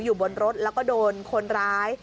อยู่บนรถแล้วก็โดนคนร้าย